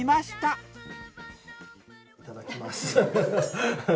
いただきます。